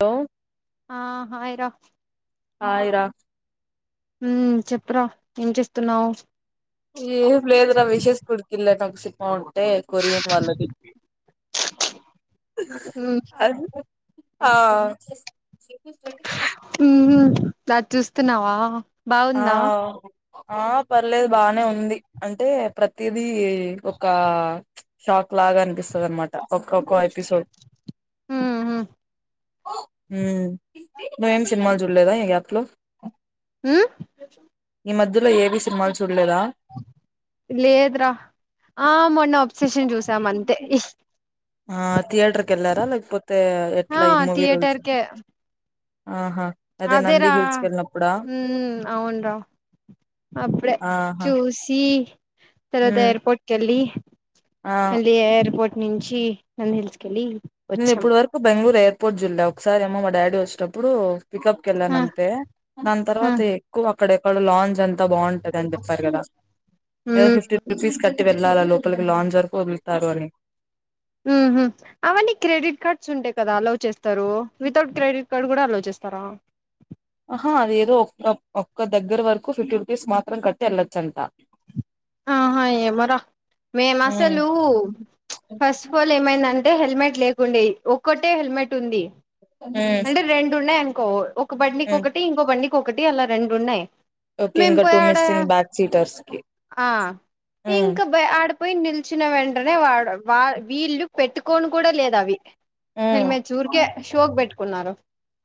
Hello ఆ hi రా hi రా ఉ చెప్పరా ఏం చేస్తున్నావ్ ఏ లేదు విషెస్ కుడికెళ్ళ నాకు సినిమా ఉంటే కొరియన్ వాళ్ళది. అన్ ఆ నాది చూస్తున్నావా? ఆ బాగుందా ఆ పర్లేదు బానే ఉంది. అంటే ప్రతిదీ ఒక షాక్. లాగ అనిపిస్తదనమాట ఒక్కొక్క ఎపిసోడ్ మ్హు మ్మ్. నువ్వేం సినిమాలు చూడలేదా ఈ గ్యాప్ లో? మ్ ఈ మధ్యలో ఏవి సినిమాలు చు లేదురా. ఆ మొన్న ఒబ్సెషన్ చూసాం అంతే. ఆ థియేటర్ కెళ్ళారా లేకపోతే, ఆ ఎట్ల ఈ మూవీ రూల్స్ థియేటర్ అ కే ఆహా అదే నంది అదేరా. హిల్స్ కి వెళ్ళినప్పుడా మ్మ్ అవునురా. అప్పుడే ఆహా చూసి, తర్వాత ఉమ్ ఎయిర్పోర్ట్ కెళ్లి, ఆ మళ్ళీ ఏర్పోర్ట్ నించి నంది హిల్స్ కెళ్ళి, నేను వచ్చాం ఇప్పటి వరకు బెంగళూరు ఎయిర్పోర్ట్ చూడలే. ఒకసారెమో మా డాడీ వచ్చేటప్పుడు, పికప్ ఆ కెల్లానంతే. దాని ఆ తర్వాత ఎక్కువ, అక్కడెక్కడో లాంచ్ అంతా బాంటది అని చెప్పారు కదా, ఏదొ ఫిఫ్టీ ఉమ్ రూపీస్ కట్టి వె ళ్లాల. లోపలికి లాంచ వరకు వదులుతారు అని, మ్ హు అవన్నీ క్రెడిట్ కార్డ్స్ ఉంటె కదా అలౌ చేస్తారు. వితౌట్ క్రెడిట్ కార్డ్ కూడా అలౌ చేస్ తారా? అహా. అదేదో, ఒక్క ఒక్క దగ్గరవరకు ఫిఫ్టీ రుపీస్ మాత్రం కట్టి వెళ్లొచ్చంట. ఆహా ఏమో ర. ఉమ్ మేమసలు ఫస్ ఫల్ ఏమైందంటే టె హెల్మెట్ లేకుండె. అంటే, ఒక్కటే హెల్మెట్ ఉంది ఉమ్ అంటే రెండు ఉన్నాయి అనుకో ఒ ఒక బండికి ఉమ్ ఒకటి, ఇంకో బండికి ఒకటి అలా రెండు ఉన్నాయి. ఓకే. మేం ఇంకా పోయి టూ ఆడ మిస్సింగ్ బ్యాక్ సీటర్స్ కి ఆ ఉమ్ ఇంకా బై ఆడపోయి నిలిచిన వెంటనే, వాడు వా వీళ్ళు పెట్టుకోని కూడా లేదవి. ఉమ్ హెల్మెట్స్ ఊరికే ఉమ్ షో కి పెట్టుకున్నారు.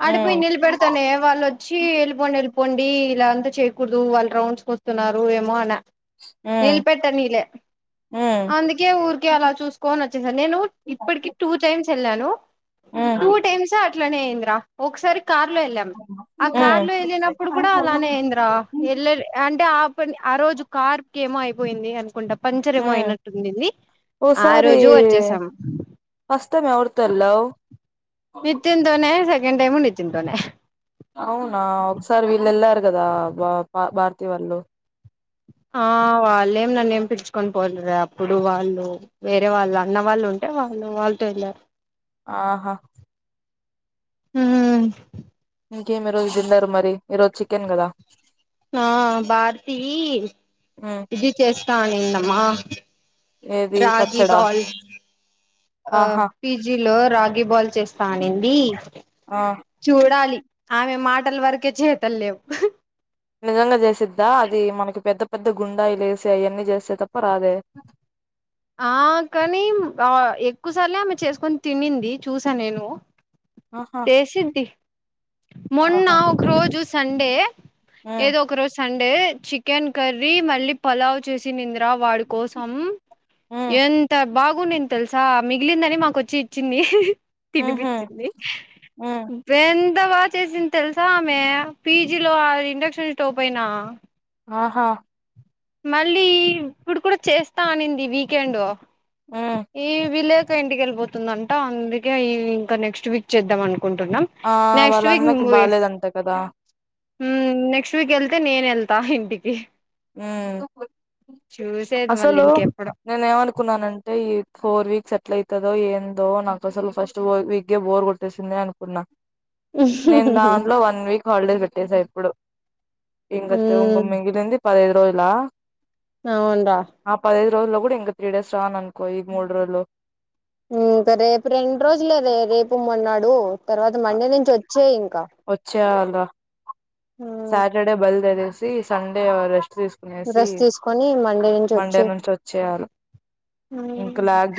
అడపోయి నిలబెడితేనే, వాళ్లొచ్చి ఎళ్ళిపోండి. ఎళ్ళి పొండి ఇలా అంతా చేయకూడదు. వాళ్ళు రౌండ్స్కి వస్తున్నారు. ఏమో అన. ఉమ్ నేల్పెట్టనీలే. ఉమ్ అందుకే ఊరికే అలా చూసుకోనొచ్చేసా. నేను ఇప్పటికి టూ టైమ్స్ ఎళ్ళాను. ఆ ఇట్లనే అయింది రా. ఒకసారి కార్ లో ఎళ్ళాం. ఆ కార్ ఉమ్ లో ఎళ్ళినప్పుడు కూడ అలానే అయింది రా. వెళ్ళలె. అంటే ఆప్, ఆ రోజు కార్కెమో అయిపోయింది అనుకుంటం. పంచర్ ఏమో ఉమ్ అయినట్టున్నింది. ఆ ఓసారి రోజు వచ్చేసాం ఫస్ట్ టైం ఎవరితో వెళ్ళావ్? నితిన్ తోనే, సెకండ్ టైము నితిన్ తోనే. అవునా ఒకసారి వీళ్ళు వెళ్లారు కదా, బ ప భారతీ వాళ్ళు. ఆ వాళ్ళేం నన్ను ఏం పిచుకొని పోలేేదు. అప్పుడు వాళ్ళు వేరే వాళ్ళు అన్న వాళ్ళు ఉంటె వాళ్ళు వాళ్తో ఎల్లారు. ఆహా మ్ ఇంకేమి ఈ రోజు డిన్నరు మరి? ఈ రోజు చికెన్ కదా! ఆ భారతి ఉమ్, ఇది చేస్తా అనిందమ్మా. ఏది రాగి పచ్చడా బాల్ ఆ ఆహా పిజలో రాగ్ ఇ బాల్ చేస్తా అనింది. ఆ చూడాలి ఆమె మా మాటల వరకే చేతల్ లెవ్ నిజంగా చేసిద్దా అది మనకి పెద్ద పెద్ద గుండాయి లేసి అవన్నీ చేస్తే తప్ప రాదే ఆ కానీ ఆ ఎక్కువ సార్లే ఆమె చేసుకొని తినింది చూసా నేను ఆహా చేసింది మొన్న ఆహా ఒక రోజు సండే ఉమ్ ఏదో ఒక రోజు సండే చికెన్ కర్రీ మళ్ళీ పలావ్ చేసి నింద్ర వాడి కోసం ఉమ్ ఎంత బాగుండంది తెలుసా మిగిలిందని మాకు వచ్చి ఇచ్చింది ఉహు తినిపిచ్చింది ఉమ్ వెన్ అంతా బాగా చేసింది తెలుసా ఆమె పీజీలో ఇండక్షన్ స్టోవ్ పైన ఆహా మళ్ళీ ఇప్పుడు కూడా చేస్తా అనింది వీకెండ్ ఉమ్ ఈ విలేజ్ ఇంకా ఇంటిక వెళ్ళిపోతుంద అంట అందుకే ఈ ఇంకా నెక్స్ట్ వీక్ చేద్దాం అంట కుంటున్నాం ఆ నెక్స్ట్ వాళ్ళ వీక్ ను అన్నకి హ బాలేదంట కదా నెక్స్ట్ వీక్ ఎళ్తే నేన వెళ్తా ఇంటికి ఆ చూసేది మళ్ళీ అసలు ఇంకెప్పుడు నేను ఏమనుకున్నానంటే ఈ ఫోర్ వీక్ సెటిల్ అవుతుదో ఏందో నాకు అసలు ఫస్ట్ వీగే బోర్ కొట్టేసిందిని అనుకున్నా నేను దాంట్లో వన్ వీక్ హాలిడేస్ పెట్టేశాను ఇప్పుడు ఇంగ ఉంగ మింగలింది పదైదు రోజుల అవును రా రోజు లో కూడా ఇంకా త్రీ డేస్ రాను అనుకో ఈ మూడు రోజులో ఇ ఇంకా రేపు రెండు రోజులేదే రేపు మొన్నాడు తర్వాత మండే నుంచి వచ్చే ఇం వచ్చే అల్ సాటర్డే బల్దేఅనేసి సండే రెస్ రెస్ట్తీసుకునేసి రెస్ట్ తీసుకొని మండే నుంచి మండే వచ్చేయి నుంచి వచ్చేయాల ఉమ్ ఇంకా లాగ్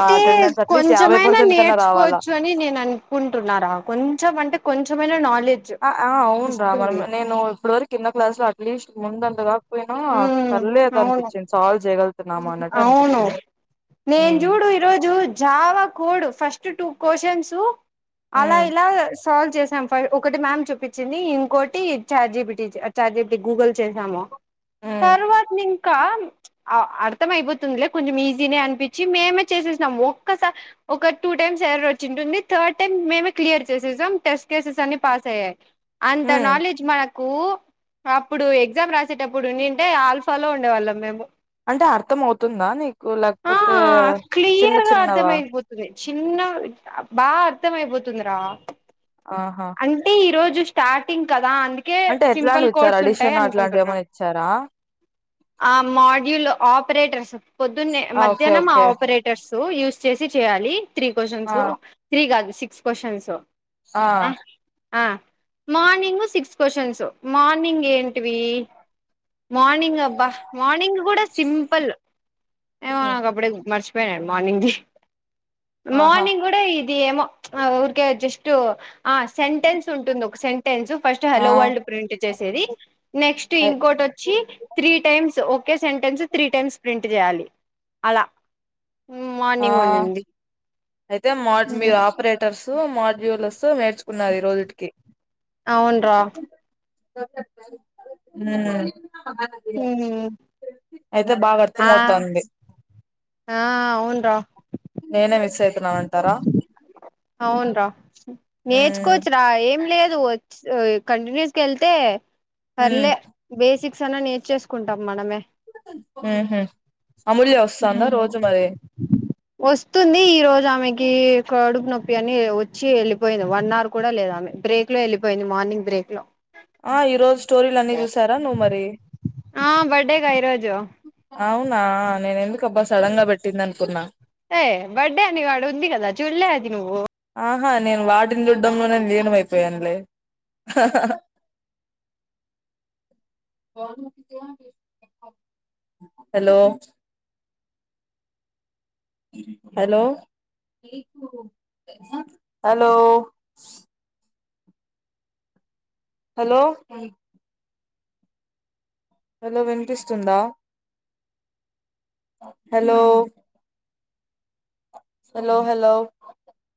ఆ అటెండెన్స్ అట్లీస్ట్ యాభై కొంచెమైనా పర్సెంట్ కన్నా రావాలా నేర్చుకోవచ్చు అని నేను అనుకుంటున్నారా కొంచెం అంటే కొంచెమైననా నాలు ఆ ఆ అవును రా మ నేను ఇప్పటి వరకు ఇన్న క్లాసు లో అట్లీస్ట్ ముందంతగాకపోయినా ఉమ్ పర్లేదు అవును అనిపించింది సాల్వ్ చేయగల అవును నేను ఉమ్ చూడు ఈరోజు Java code first two questions అలా ఉమ్ ఇలా సాల్వ్ చేసాము ఫ ఒకటి మ్యామ్ చూపించింది ఇంకోటి చార్జీబిటీ చార్జీబిటీ గూగుల్ చేసాము ఉమ్ తర్వాత ఇంకా అర్థం అయిపోతుందిలే కొంచెం ఈజీనే అనిపించి మేమే చేసేసినం ఒక్కసారి ఒక టూ టైమ్స్ వచ్చి ఉంటుంది థర్డ్ టైమ్ మేమే క్లియర్ చేసేసాం టెస్ట్ కేసెస్ అ పాస్ అయ్యాయి అంత ఉమ్ నాలెడ్జ్ మన కు అప్పుడు ఎగ్జామ్ రాసేటప్పుడు ఉండుంటే ఆల్ఫా లో ఉండేవాళ్ళం మేము అంటే అర్థం అవుతుందా నీకు ఆ లేకపోతే చిన్న క్లియర్గా చిన్నవా అర్థమగపోతుంది చిన్న బాగా అర్థం అయిపోతుంది రా ఆహా అంటే ఈరోజు జు స్టార్టింగ్ కదా అందుకే అంటే సింపుల్ ఎట్లాంటివి ఇచ్చారు కోడ్స్ ఉంటాయి అడిషన్ అట్లాంటివి అనుకుంటున్నాను ఏమైనా ఇచ్చారా ఆ మోడ్యూల్ ఆపరేటర్స్ పొద్దున్నే ఆ ఓకే మధ్యాహ్నం ఆ ఓకే ఆపరేటర్స్ యూస్ చేసి చేయాలి త్రీ ఆ క్వశ్చన్స్ త్రీ కాదు సిక్స్ క్వశ్చన్స్ ఆ ఆ మార్నింగ్ సిక్స్ క్వశ్చన్స్ మార్నింగ్ ఏంటివి మార్నింగ్ అబ్బా మార్నింగ్ కూడా సింపుల్ ఏమో నా హ్మ్ ఒకప్పుడే మర్చిపోయానను మార్నింగ్కి ఆహా మార్నింగ్ కూడా ఇది ఏమో ఊరికే జస్ట్ ఆ సెంటెన్స్ ఉంటుంది ఒక సె టెన్స్ ఫస్ట్ ఆ హలో వరల్డ్ ప్రింట్ చేసేది నెక్స్ట్ అయి ఇంకోటి వచ్చి త్రీ టైమ్స్ ఒకే సెంటెన్స్ త్రీ టైమ్స్ ప్రింట్ చేయాలి అలా ఉం ఆ మార్నింగ్ ఉండిం ది అయితే మా మీరు ఆపరేటర్స్ మాడ్యూల్స్ తో నేర్చు కున్నరు ఈ రోజుటికి అవున్రా ఉం అయితే బాగా ఆ అర్థంమవుతుంది ఆ అవును రా నా అంటారా అవున్రా నేర్చు కోవచ్చు రా ఏం లేదు కంటిన్యూస్ గా వెళ్తే హ్మ్ పర్లే బేసిక్ చానా నేర్చేసుకుంటాం మనమే హు హమ్ అమూల్య వస్తుందా? రోజు మరి వస్తుంది ఈ రోజు ఆమెకి కడుపు నొప్పి అని వచ్చి వెళ్ళిపోయింది వన్ అవర్ కూడా లేదా ఆమె బ్రేక్ లో వెళ్ళిపోయింది మార్నింగ్ బ్రేక్ లో ఆ ఈరోజు స్టోరీలు అన్ని చూసారా నువ్వు మరి ఆ బర్డ్డేగా ఇరోజు అవునా నేను ఎందుకుబ్బా సడన్ గా పెట్టింది అనుకున్నా హే బడ్డే అని ఆడ ఉందిగద చూల్లే అది నువ్ ఆహా నేను వాటిని చుడ్డంలో నేను లీనమ అయిపోయానులే hello hello hello hello hello వినిపిస్తుందా హలో హలో హలో